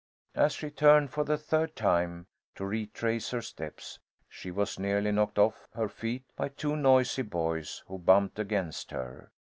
As she turned for the third time to retrace her steps, she was nearly knocked off her feet by two noisy boys, who bumped against her.